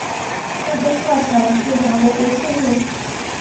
那天恰巧是法国国庆日。